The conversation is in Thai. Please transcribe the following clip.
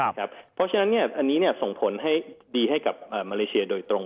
เพราะฉะนั้นอันนี้ส่งผลให้ดีให้กับมาเลเซียโดยตรง